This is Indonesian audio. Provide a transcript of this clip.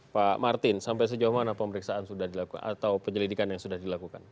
pak martin sampai sejauh mana pemeriksaan sudah dilakukan atau penyelidikan yang sudah dilakukan